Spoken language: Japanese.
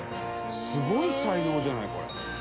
「すごい才能じゃないこれ」